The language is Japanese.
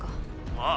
ああ。